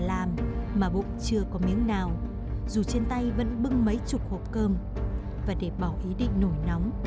làm mà bụng chưa có miếng nào dù trên tay vẫn bưng mấy chục hộp cơm và để bỏ ý định nổi nóng